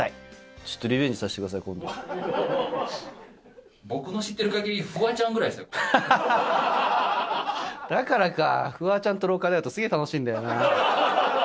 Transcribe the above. ちょっとリベンジさせてください、僕の知ってるかぎり、フワちだからか、フワちゃんと廊下で会うとすげぇ、楽しいんだよな。